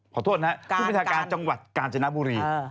ขอโทษนะครับผู้ประชาการจังหวัดกาญจนบุรี